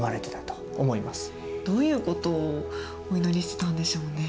どういうことをお祈りしてたんでしょうね。